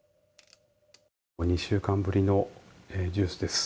２週間ぶりのジュースです。